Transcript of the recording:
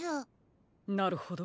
なるほど。